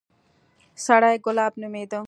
سړى ګلاب نومېده.